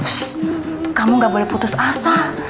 ssst kamu nggak boleh putus asa